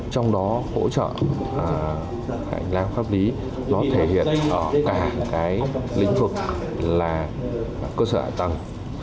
trong đó hỗ trợ hành lang pháp lý thể hiện ở cả lĩnh vực là cơ sở hạ tầng